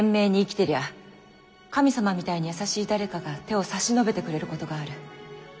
てりゃ神様みたいに優しい誰かが手を差し伸べてくれることがある。